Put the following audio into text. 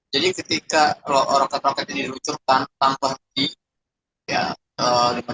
jadi ketika roket roket ini dilucurkan tanpa di prokter